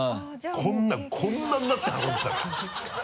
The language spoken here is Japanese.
こんなのをこんなになって運んでたから。